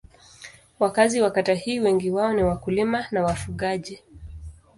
Wakazi wa kata hii wengi wao ni wakulima na wafugaji.